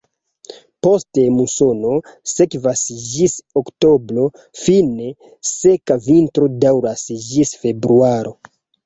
Poste musono sekvas ĝis oktobro, fine seka vintro daŭras ĝis februaro.